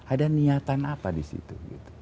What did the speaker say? ada niatan apa di situ